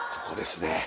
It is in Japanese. ここですね